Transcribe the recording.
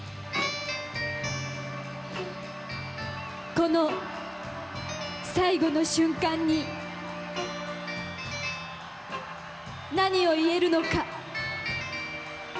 この最後の瞬間に何を言えるのか。